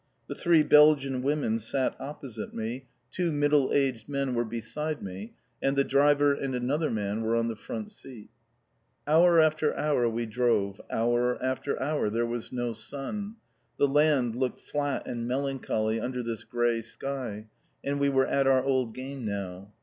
The three Belgian women sat opposite me; two middle aged men were beside me, and the driver and another man were on the front seat. Hour after hour we drove, hour after hour there was no sun. The land looked flat and melancholy under this grey sky, and we were at our old game now.